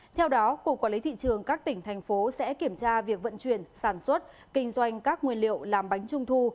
theo đó cục quản lý thị trường các tỉnh thành phố sẽ kiểm tra việc vận chuyển sản xuất kinh doanh các nguyên liệu làm bánh trung thu